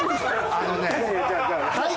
あのね。